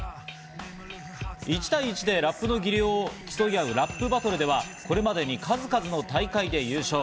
１対１でラップの技量を競い合うラップバトルでは、これまでに数々の大会で優勝。